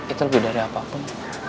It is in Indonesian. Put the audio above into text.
itu lebih dari apapun